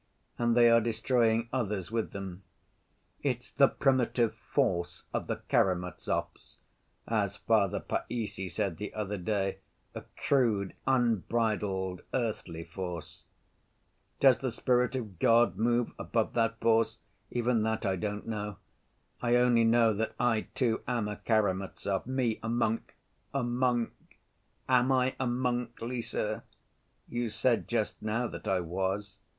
And they are destroying others with them. It's 'the primitive force of the Karamazovs,' as Father Païssy said the other day, a crude, unbridled, earthly force. Does the spirit of God move above that force? Even that I don't know. I only know that I, too, am a Karamazov.... Me a monk, a monk! Am I a monk, Lise? You said just now that I was."